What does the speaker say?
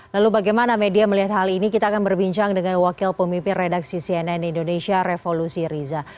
lalu bagaimana media melihat hal ini kita akan berbincang dengan wakil pemimpin redaksi cnn indonesia revolusi riza